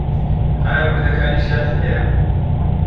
ئایا وردەکاریی زیاتر هەیە؟